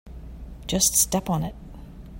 Just step on it.